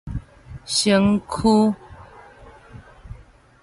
身軀